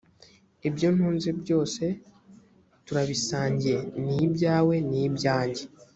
ibyo ntunze byose turabisangiye ni ibyawe ni ibyanjye